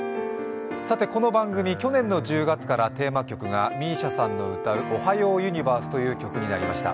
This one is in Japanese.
この番組、去年の１０月からテーマ曲がＭＩＳＩＡさんの歌う「おはようユニバース」という曲になりました。